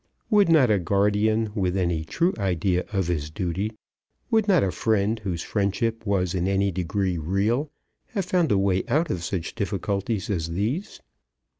Would not a guardian, with any true idea of his duty, would not a friend, whose friendship was in any degree real, have found a way out of such difficulties as these?